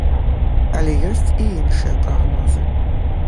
Але ёсць і іншыя прагнозы.